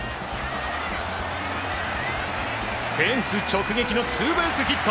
フェンス直撃のツーベースヒット。